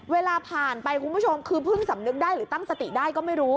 เวลาผ่านไปคุณผู้ชมคือเพิ่งสำนึกได้หรือตั้งสติได้ก็ไม่รู้